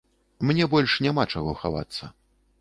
Мне больш няма чаго хавацца.